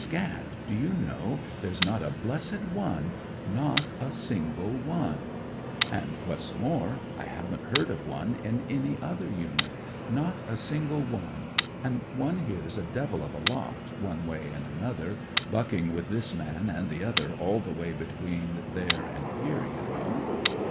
Gad, do you know, there's not a blessed one, not a single one. And, what's more, I haven't heard of one in any other unit, C2 24 SPIRIT OF BRITISH SOLDIER not a single one, and one hears a devil of a lot, one way and another, bucking with this man and the other all the way be tween there and here, you know.